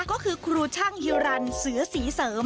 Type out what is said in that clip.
ก็คือครูช่างฮิวรรณเสือศรีเสริม